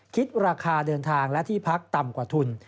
คิดราคาเดินทางและที่พักต่ำกว่าทุน